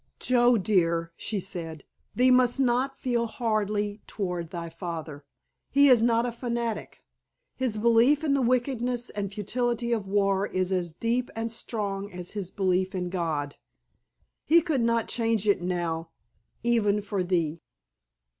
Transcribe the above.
"Joe, dear," she said, "thee must not feel hardly toward thy father. He is not a fanatic. His belief in the wickedness and futility of war is as deep and strong as his belief in God. He could not change it now—even for thee."